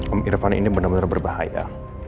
om irvan ini bener bener berbahaya